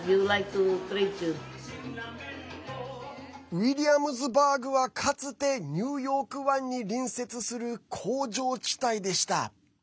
ウィリアムズバーグはかつてニューヨーク湾に隣接する工場地帯でした。